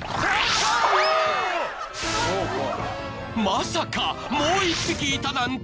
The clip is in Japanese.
［まさかもう１匹いたなんて］